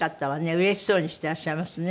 うれしそうにしてらっしゃいますね。